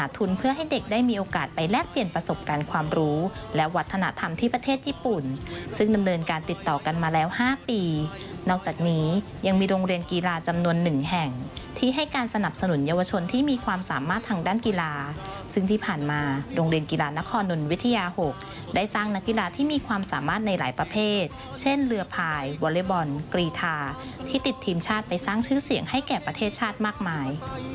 ตอนนี้ยังมีโรงเรียนกีฬาจำนวนหนึ่งแห่งที่ให้การสนับสนุนเยาวชนที่มีความสามารถทางด้านกีฬาซึ่งที่ผ่านมาโรงเรียนกีฬานครนลวิทยา๖ได้สร้างนักกีฬาที่มีความสามารถในหลายประเภทเช่นเรือพายวอเลอบอลกรีทาที่ติดทีมชาติไปสร้างชื่อเสียงให้แก่ประเทศชาติมากมาย